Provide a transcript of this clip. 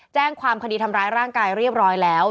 แจ้งความคดีทำร้ายร่างกายเรียบร้อยแล้ว